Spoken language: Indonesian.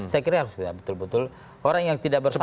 saya kira harus tidak betul betul orang yang tidak bersepakat